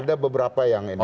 ada beberapa yang ini